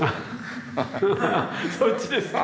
そっちですか！